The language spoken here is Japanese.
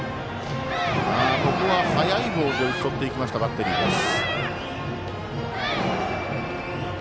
ここは速いボールで打ち取っていったバッテリーです。